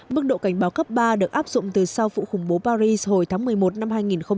mức độ cảnh báo cấp ba được áp dụng từ sau vụ khủng bố paris hồi tháng một mươi một năm hai nghìn một mươi ba